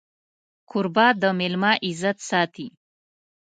کوربه د مېلمه عزت ساتي.